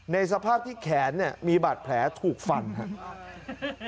สภาพที่แขนเนี่ยมีบาดแผลถูกฟันครับ